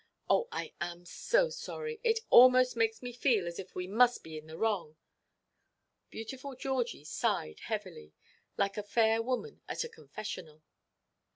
Oh, I am so sorry. It almost makes one feel as if we must be in the wrong." Beautiful Georgie sighed heavily, like a fair woman at a confessional.